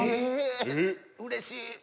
うれしい！